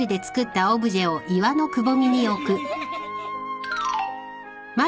フフフ。